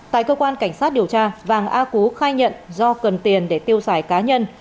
tại cơ quan cảnh sát điều tra vàng a cú khai nhận do cần tiền để tiêu xài cá nhân